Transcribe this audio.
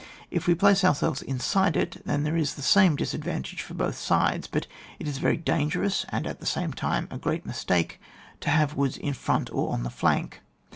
If we place ourselves inside it, then there is the same disadvantage for both sides; but it is very dangerous, and at the same time a great mistake to have woods in frt)nt or on the flank.